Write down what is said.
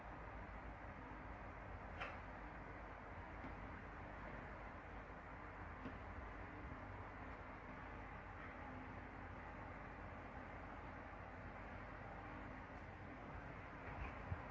สำรวจในรัฐการณ์ว่าไม่ได้อะไร